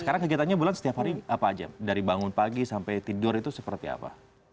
sekarang kegiatannya bulan setiap hari apa aja dari bangun pagi sampai tidur itu seperti apa